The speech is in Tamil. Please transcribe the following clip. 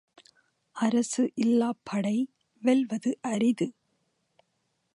அரசு இல்லாப் படை வெல்வது அரிது.